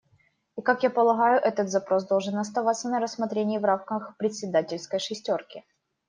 И как я полагаю, этот запрос должен оставаться на рассмотрении в рамках председательской шестерки.